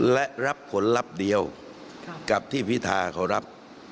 และรับผลลัพธ์เดียวกับที่พิธาเขารับ